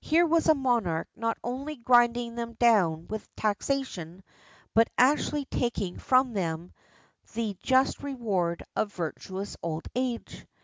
Here was a monarch not only grinding them down with taxation, but actually taking from them the just reward of virtuous old age.